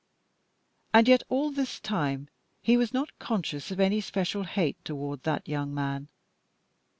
And yet, all this time he was not conscious of any special hate toward that young man..